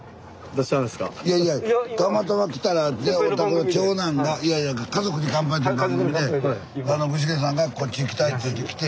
いやいやたまたま来たらお宅の長男がいやいや「家族に乾杯」という番組で具志堅さんがこっち来たいって言って来て